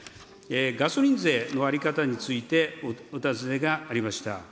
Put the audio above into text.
ガソリン税の在り方について、お尋ねがありました。